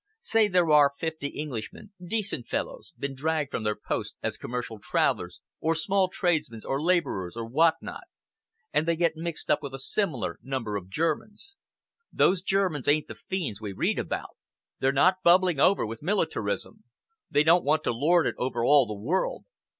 Say there are fifty Englishmen, decent fellows, been dragged from their posts as commercial travellers or small tradesmen or labourers or what not, and they get mixed up with a similar number of Germans. Those Germans ain't the fiends we read about. They're not bubbling over with militarism. They don't want to lord it over all the world.